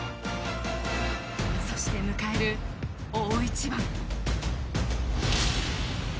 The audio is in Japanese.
そして迎える大一番。